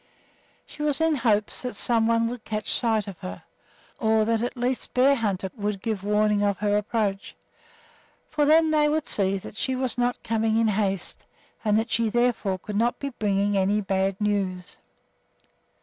She was in hopes that some one would catch sight of her, or that at least Bearhunter would give warning of her approach; for then they would see that she was not coming in haste, and that she therefore could not be bringing any bad news.